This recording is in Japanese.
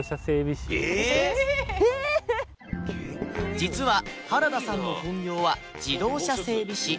実は原田さんの本業は自動車整備士